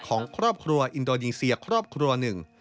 ของครอบครัวอินโดนีเซียครอบครัวหนึ่ง